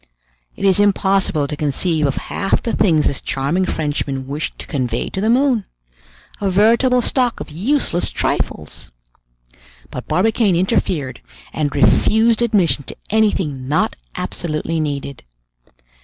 It is impossible to conceive of half the things this charming Frenchman wished to convey to the moon. A veritable stock of useless trifles! But Barbicane interfered and refused admission to anything not absolutely needed.